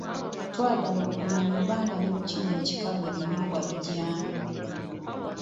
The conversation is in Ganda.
Twagala okumanya oba nga ne mu kino ekikalu ebinyoobwa bigyamu.